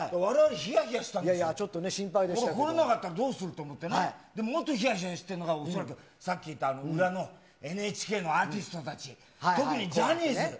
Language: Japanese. いやいや、ちょっと心配でし来れなかったらどうすると思ってね、もっとひやひやしたのが、恐らくさっき言った、裏のＮＨＫのアーティストたち、特にジャニーズ。